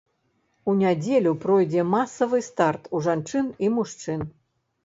У нядзелю пройдзе масавы старт у жанчын і мужчын.